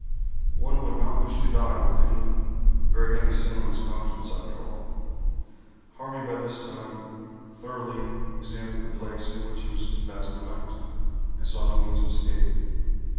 One would not wish to die with any very heavy sin on his conscience, after all." Harvey had by this time thoroughly examined the place in which he was to pass the night, and saw no means of escape.